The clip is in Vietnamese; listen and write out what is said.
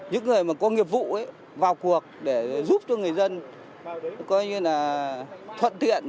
những người mà có nghiệp vụ vào cuộc để giúp cho người dân coi như là thuận tiện